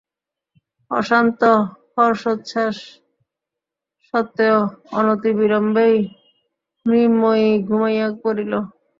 অশান্ত হর্ষোচ্ছ্বাস সত্ত্বেও অনতিবিলম্বেই মৃন্ময়ী ঘুমাইয়া পড়িল।